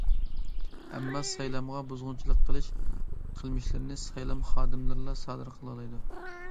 ئەمما، سايلامغا بۇزغۇنچىلىق قىلىش قىلمىشلىرىنى سايلام خادىملىرىلا سادىر قىلالايدۇ.